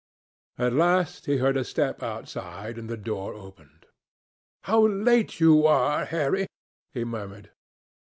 At last he heard a step outside, and the door opened. "How late you are, Harry!" he murmured.